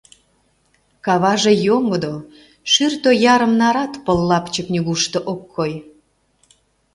Каваже йоҥгыдо, шӱртӧ ярым нарат пыл лапчык нигушто ок кой.